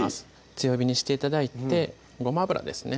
強火にして頂いてごま油ですね